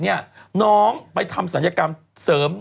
น้องไปทำศัลยกรรมเสริม